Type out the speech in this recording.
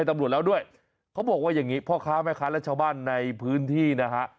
ตำรวจแล้วด้วยเขาบอกว่าอย่างงี้พ่อค้าแม่ค้าและชาวบ้านในพื้นที่นะฮะ